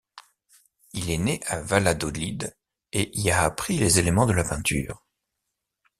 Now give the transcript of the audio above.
Il est né à Valladolid et y a appris les éléments de la peinture.